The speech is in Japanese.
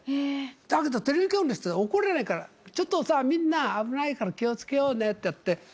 だけどテレビ局の人、怒れないから、ちょっとさ、みんな危ないから気をつけようねってやって。